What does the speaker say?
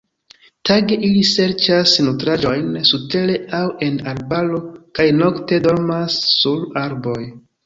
Tage ili serĉas nutraĵojn surtere aŭ en arbaro kaj nokte dormas sur arboj.